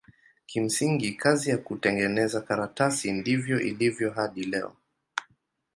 Kimsingi kazi ya kutengeneza karatasi ndivyo ilivyo hadi leo.